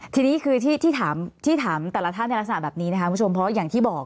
ทีนี้คือที่ถามแต่ละท่านในลักษณะแบบนี้นะคะคุณผู้ชมเพราะอย่างที่บอก